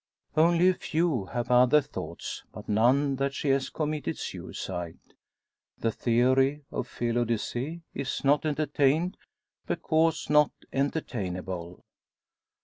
Only a few have other thoughts, but none that she has committed suicide. The theory of felo de se is not entertained, because not entertainable.